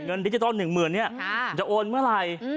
เงินดิจิทัลหนึ่งเมือนจะโอนเมื่อไหร่